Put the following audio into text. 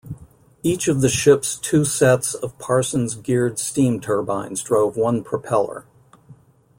Each of the ship's two sets of Parsons geared steam turbines drove one propeller.